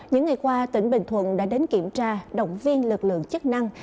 những ngày qua tỉnh bình thuận đã đến kiểm tra động viên lực lượng chức năng